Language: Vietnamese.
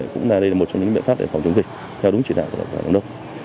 cũng là một trong những biện pháp để phòng chống dịch theo đúng chỉ đạo của tổng đốc